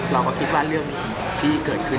เราก็คิดว่าเรื่องที่เกิดขึ้น